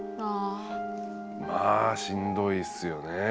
まあしんどいっすよね。